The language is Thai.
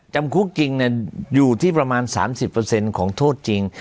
จำคุกจริงอยู่ที่ประมาณ๓๐ของโทษจริง